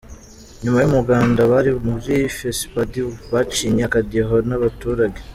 Nyuma y’umuganda, abari muri fesipadi bacinye akadiho n’abaturage